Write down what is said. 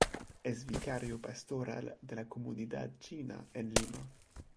Es Vicario Pastoral de la Comunidad China en Lima.